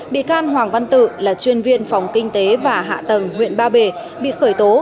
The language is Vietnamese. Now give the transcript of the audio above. bị can hoàng văn tự là chuyên viên phòng kinh tế và hạ tầng huyện ba bể bị khởi tố